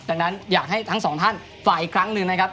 จากนั้นอยากให้ทั้ง๒ท่านฝ่ายอีกครั้งนึงนะครับ